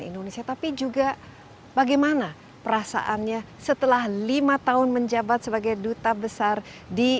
indonesia tapi juga bagaimana perasaannya setelah lima tahun menjabat sebagai duta besar di